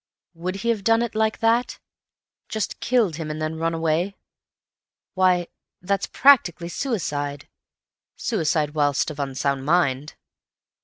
Would he have done it like that? Just killed him and then run away? Why, that's practically suicide—suicide whilst of unsound mind.